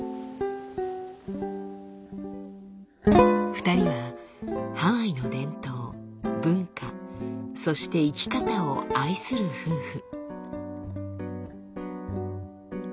２人はハワイの伝統文化そして生き方を愛する夫婦。